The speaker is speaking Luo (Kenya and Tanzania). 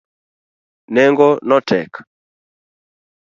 Nengo no tek.